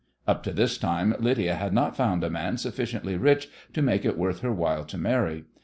Up to this time Lydia had not found a man sufficiently rich to make it worth her while to marry.